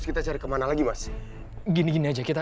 sampai jumpa di video selanjutnya